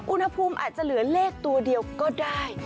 อุณหภูมิอาจจะเหลือเลขตัวเดียวก็ได้